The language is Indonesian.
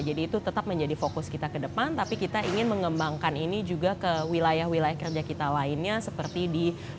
jadi itu tetap menjadi fokus kita ke depan tapi kita ingin mengembangkan ini juga ke wilayah wilayah kerja kita lainnya seperti di pesisir pantai barat sumatra